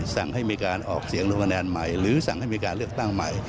สั่งให้มีการออกเสียงลงคะแนนใหม่หรือสั่งให้มีการเลือกตั้งใหม่